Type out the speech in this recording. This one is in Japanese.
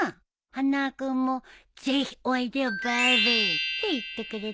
花輪君も「ぜひおいでよベイビー」って言ってくれてさ。